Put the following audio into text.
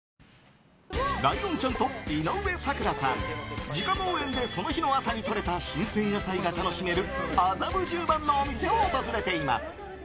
ライオンちゃんと井上咲楽さん自家農園でその日の朝にとれた新鮮野菜が楽しめる麻布十番のお店を訪れています。